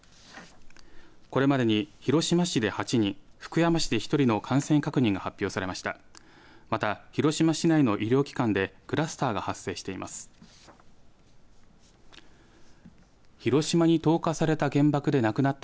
これまでに広島市で８人福山市で１人の感染確認が発表されました。